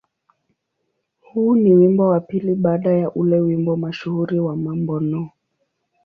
Huu ni wimbo wa pili baada ya ule wimbo mashuhuri wa "Mambo No.